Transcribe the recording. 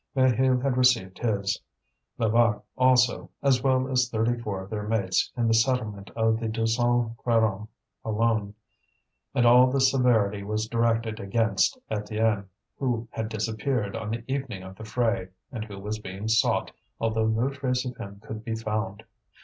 Maheu had received his, Levaque also, as well as thirty four of their mates in the settlement of the Deux Cent Quarante alone. And all the severity was directed against Étienne, who had disappeared on the evening of the fray, and who was being sought, although no trace of him could be found.